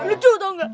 lucu tau gak